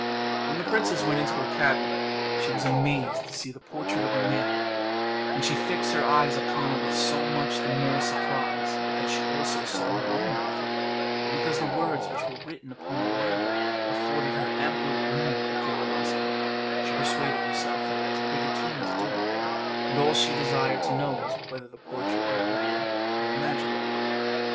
When the princess went into her cabinet, she was amazed to see the portrait of a man; and she fixed her eyes upon it with so much the more surprise, because she also saw her own with it, and because the words which were written upon the label afforded her ample room for curiosity She persuaded herself that it was Abricotina's doing; and all she desired to know was, whether the portrait were real or imaginary.